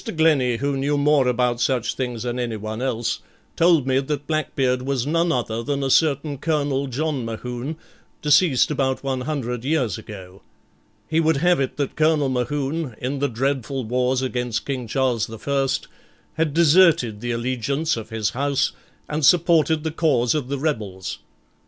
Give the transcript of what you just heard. Glennie, who knew more about such things than anyone else, told me that Blackbeard was none other than a certain Colonel John Mohune, deceased about one hundred years ago. He would have it that Colonel Mohune, in the dreadful wars against King Charles the First, had deserted the allegiance of his house and supported the cause of the rebels.